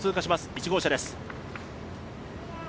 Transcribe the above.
１号車です。